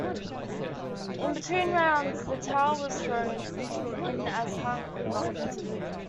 In between rounds the towel was thrown in as Hunt could not continue.